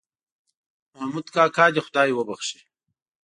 محمود کاکا دې خدای وبښې.